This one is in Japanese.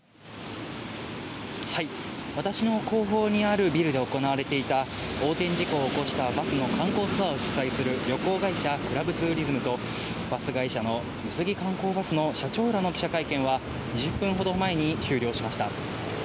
私の後方にあるビルで行われていた、横転事故を起こしたバスの観光ツアーを主催する旅行会社、クラブツーリズムと、バス会社の美杉観光バスの社長らの記者会見は、２０分ほど前に終了しました。